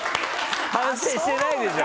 反省してないでしょ？